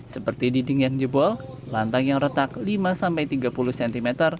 seperti dinding yang jebol lantang yang retak lima tiga puluh cm